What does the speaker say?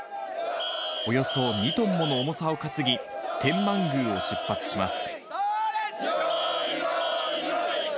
およそ２トンもの重さを担ぎ、天満宮を出発します。